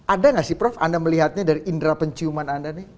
ada nggak sih prof anda melihatnya dari indera penciuman anda nih